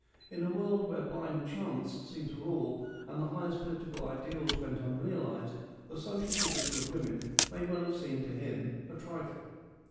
In a world where blind chance seemed to rule and the highest political ideals went unrealised, the social position of women may well have seemed to him a trifle.